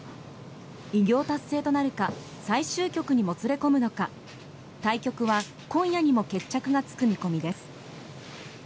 偉業達成となるか最終局にもつれ込むのか対局は今夜にも決着がつく見込みです。